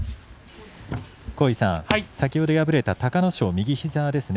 先ほど敗れた隆の勝右膝ですね。